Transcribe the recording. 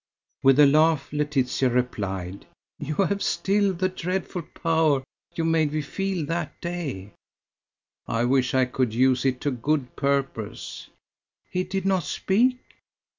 With a laugh, Laetitia replied: "You have still the 'dreadful power' you made me feel that day." "I wish I could use it to good purpose!" "He did not speak?"